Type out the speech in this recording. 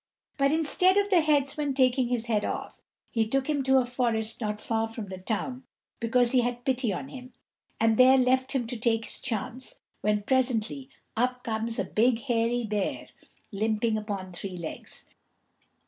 But instead of the headsman taking his head off, he took him to a forest not far from the town, because he had pity on him, and there left him to take his chance, when presently up comes a big hairy bear, limping upon three legs.